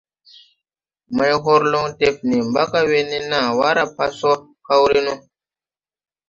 Maihorlong def nee mbaga we ne naa ʼwar pa so kawre no.